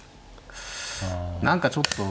何かちょっと。